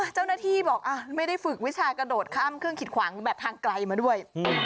เจ้าหน้าที่บอกไม่ได้ฝึกวิชากระโดดข้ามเครื่องขิดขวางแบบทางไกลมาด้วย